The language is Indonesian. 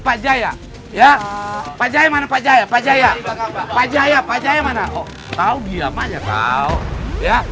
pak jaya ya pak jaya mana pak jaya pak jaya pak jaya pak jaya mana oh tahu diam aja tahu ya